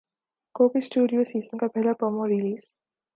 کوک Studio season کا پہلا promo release